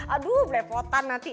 aduh belepotan nanti